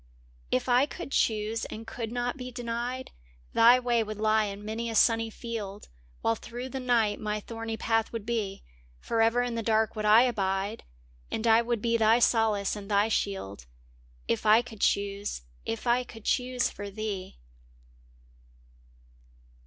w If I could choose and could not be denied, Thy way would lie in many a sunny field While through the night my thorny path would be; Forever in the dark would I abide And I would be thy solace and thy shield, If I could choose — if I could choose for thee!